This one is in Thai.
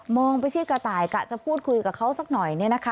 ไปที่กระต่ายกะจะพูดคุยกับเขาสักหน่อย